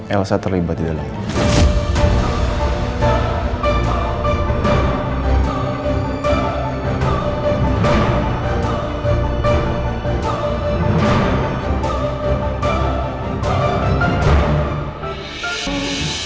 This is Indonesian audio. elsa terlibat di dalamnya